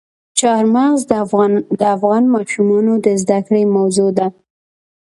چار مغز د افغان ماشومانو د زده کړې موضوع ده.